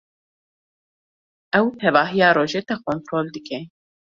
Ew tevahiya rojê te kontrol dike.